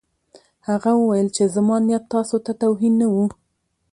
هغه وویل چې زما نیت تاسو ته توهین نه و